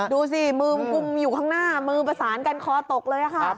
ดูสิมือกุมอยู่ข้างหน้ามือประสานกันคอตกเลยค่ะ